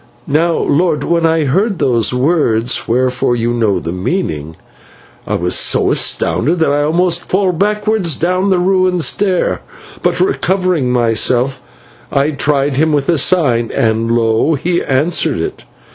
"Now, lord, when I heard those words whereof you know the meaning, I was so astounded that I almost fell backwards down the ruined stair, but, recovering myself, I tried him with a sign, and lo, he answered it.